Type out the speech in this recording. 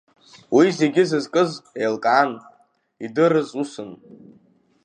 Уи зегьы зызкыз еилкаан, идырыз усын…